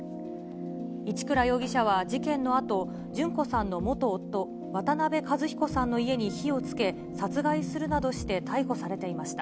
一倉容疑者は事件のあと、旬子さんの元夫、渡辺和彦さんの家に火をつけ、殺害するなどして逮捕されていました。